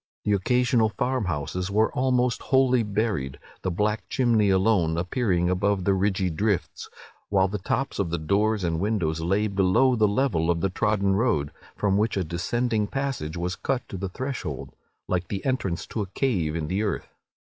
The occasional farm houses were almost wholly buried, the black chimney alone appearing above the ridgy drifts; while the tops of the doors and windows lay below the level of the trodden road, from which a descending passage was cut to the threshold, like the entrance to a cave in the earth.